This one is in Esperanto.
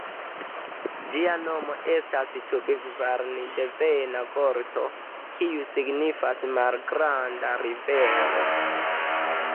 Ĝia nomo estas tupigvarani-devena vorto, kiu signifas "malgranda rivero".